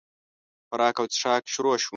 خوراک او چښاک شروع شو.